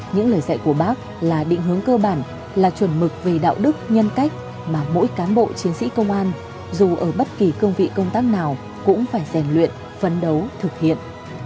những lời dạy của bác là định hướng cơ bản là chuẩn mực về đạo đức nhân cách mà mỗi cán bộ chiến sĩ công an dù ở bất kỳ cương vị công tác nào cũng phải rèn luyện phấn đấu thực hiện